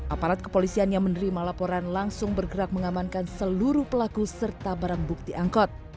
aparat kepolisian yang menerima laporan langsung bergerak mengamankan seluruh pelaku serta barang bukti angkot